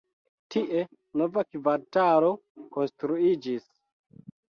Tie nova kvartalo konstruiĝis.